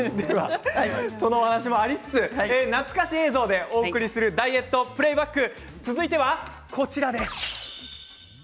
その話もありつつ懐かしい映像でお送りするダイエットプレーバック、続いてはこちら。